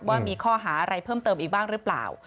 ว่ามีข้อหาอะไรเพิ่มเติมอีกบ้างหรือเปล่า